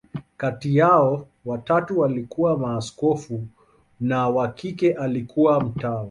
Kati yao, watatu walikuwa maaskofu, na wa kike alikuwa mtawa.